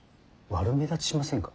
悪目立ちしませんか。